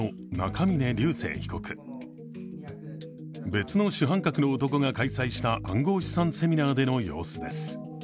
別の主犯格の男が開催した暗号資産セミナーでの様子です。